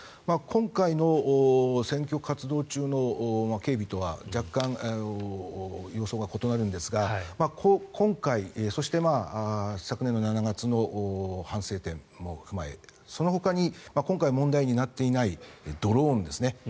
今回の選挙活動中の警備とは若干、様相が異なるんですが今回、そして昨年７月の反省点も踏まえそのほかに今回問題になっていないドローンですね。